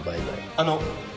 あの！